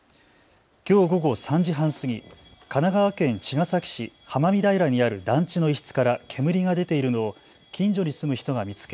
きょう午後３時半過ぎ神奈川県茅ヶ崎市浜見平にある団地の一室から煙が出ているのを近所に住む人が見つけ